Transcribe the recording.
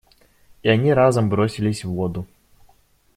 И они разом бросились в воду.